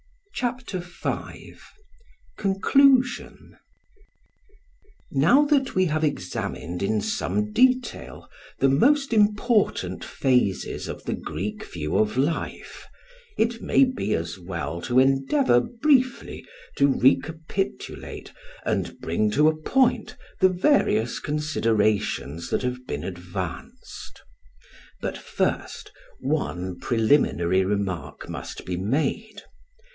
CHAPTER V CONCLUSION Now that we have examined in some detail the most important phases of the Greek view of life, it may be as well to endeavour briefly to recapitulate and bring to a point the various considerations that have been advanced. But, first, one preliminary remark must be made.